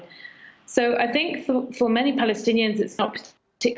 jadi saya pikir untuk banyak orang palestina itu tidak terlalu mengejutkan